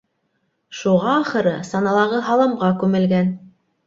Шуға ахыры, саналағы һаламға күмелгән.